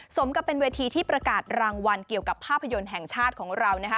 สมกับเป็นเวทีที่ประกาศรางวัลเกี่ยวกับภาพยนตร์แห่งชาติของเรานะคะ